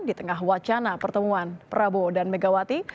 di tengah wacana pertemuan prabowo dan megawati